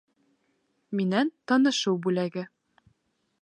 Минән танышыу бүләге.